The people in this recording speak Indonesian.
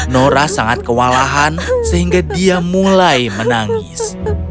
nora sangat kewalahan sehingga dia mulai menangis